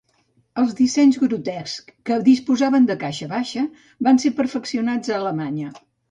Els dissenys Grotescs que disposaven de caixa baixa van ser perfeccionats a Alemanya.